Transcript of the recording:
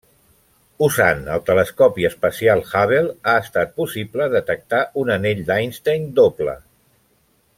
Usant el Telescopi espacial Hubble ha estat possible detectar un anell d'Einstein doble.